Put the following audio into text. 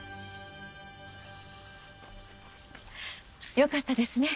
よかったですね。